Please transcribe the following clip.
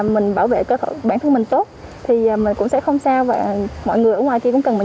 mình bảo vệ cho bản thân mình tốt thì mình cũng sẽ không sao và mọi người ở ngoài kia cũng cần mình